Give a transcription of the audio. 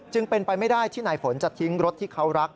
จึงเป็นไปไม่ได้ที่นายฝนจะทิ้งรถที่เขารัก